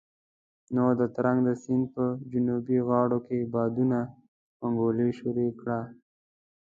نو د ترنک د سيند په جنوبي غاړو کې بادونو انګولا شروع کړه.